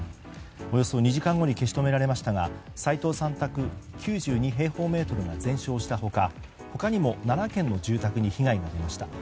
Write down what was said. およそ２時間後に消し止められましたが齋藤さん宅９２平方メートルが全焼した他他にも７軒の住宅に被害が出ました。